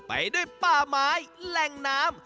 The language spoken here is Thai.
ไปด้วยป้าไม้แรงน้ำ